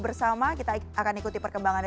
bersama kita akan ikuti perkembangannya